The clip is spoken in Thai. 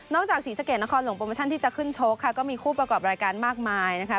จากศรีสะเกดนครหลวงโปรโมชั่นที่จะขึ้นชกค่ะก็มีคู่ประกอบรายการมากมายนะคะ